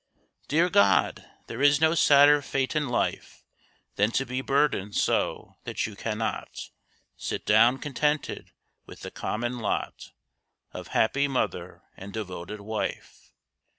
Dear God! there is no sadder fate in life Than to be burdened so that you can not Sit down contented with the common lot Of happy mother and devoted wife.